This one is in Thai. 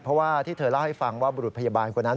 เพราะว่าที่เธอเล่าให้ฟังว่าบุรุษพยาบาลคนนั้น